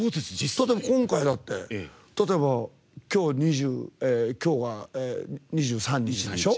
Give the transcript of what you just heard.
今回だって、例えば今日が、２３日でしょ？